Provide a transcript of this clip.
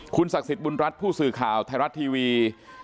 ศักดิ์สิทธิ์บุญรัฐผู้สื่อข่าวไทยรัฐทีวี